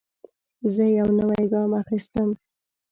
زه یو نوی ګام اخیستم.